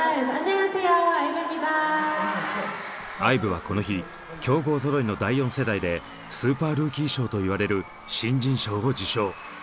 ＩＶＥはこの日強豪ぞろいの第４世代でスーパールーキー賞と言われる新人賞を受賞。